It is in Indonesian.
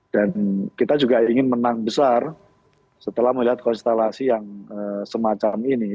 dan kita juga ingin menang besar setelah melihat konstelasi yang semacam ini